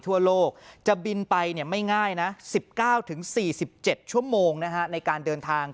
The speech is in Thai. ทั่วโลกจะบินไปไม่ง่ายนะ๑๙๔๗ชั่วโมงในการเดินทาง